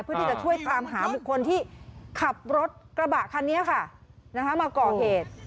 เพื่อที่จะช่วยตามหาบุคคลที่ขับรถกระบะคันนี้ค่ะมาก่อเหตุ